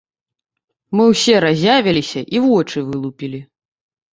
Мы ўсе разявіліся і вочы вылупілі.